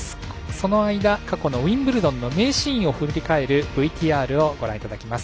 その間、過去のウィンブルドンの名シーンを振り返るＶＴＲをご覧いただきます。